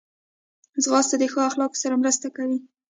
ځغاسته د ښو اخلاقو سره مرسته کوي